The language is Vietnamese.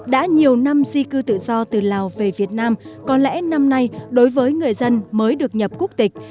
đã nhiều năm di cư tự do từ lào về việt nam có lẽ năm nay đối với người dân mới được nhập quốc tịch